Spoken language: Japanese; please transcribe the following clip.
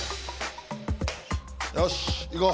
よしいこう。